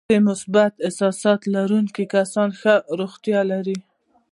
د مثبت فکر او احساساتو لرونکي کسان ښه روغتیا لري.